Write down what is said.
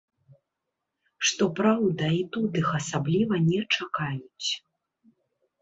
Што праўда, і тут іх асабліва не чакаюць.